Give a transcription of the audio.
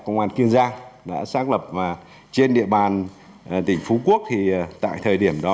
công an kiên giang đã xác lập và trên địa bàn tỉnh phú quốc thì tại thời điểm đó